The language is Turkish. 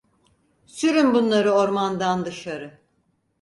Sürün bunları ormandan dışarı!